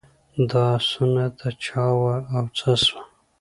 دا آسونه د چا وه او څه سوه.